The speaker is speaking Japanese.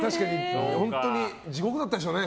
本当に地獄だったでしょうね。